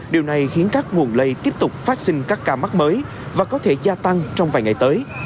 điều này khiến các nguồn lây tiếp tục phát sinh các ca mắc mới và có thể gia tăng trong vài ngày tới